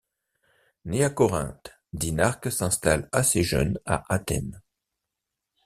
Né à Corinthe, Dinarque s'installe assez jeune à Athènes.